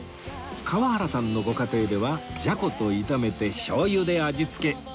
河原さんのご家庭ではじゃこと炒めてしょうゆで味付け